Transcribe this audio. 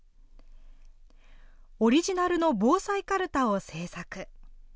オリジナルの防災カルタを制作。